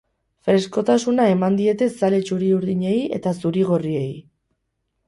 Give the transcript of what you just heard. Freskotasuna eman diete zale txuri-urdinei eta zuri-gorriei.